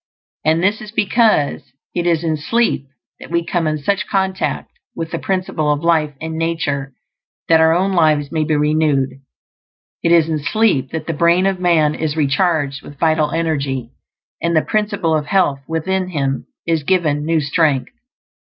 And this is because it is in sleep that we come into such contact with the Principle of Life in nature that our own lives may be renewed. It is in sleep that the brain of man is recharged with vital energy, and the Principle of Health within him is given new strength.